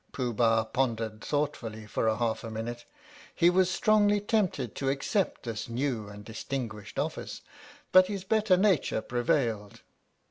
Pooh Bah pondered thoughtfully for half a minute. He was strongly tempted to accept this new and distinguished office, but his better nature prevailed.